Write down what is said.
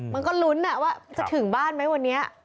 มันก็ลุ้นว่าจะถึงบ้านไหมวันนี้